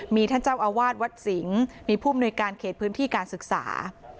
มีท่านเจ้าอาวาสวัดสิงห์มีผู้มนุยการเขตพื้นที่การศึกษา